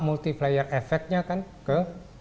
multi layer efeknya kan ke